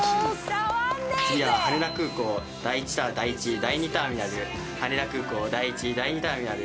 次は羽田空港第１ターミナル・第２ターミナル、羽田空港第１・第２ターミナル。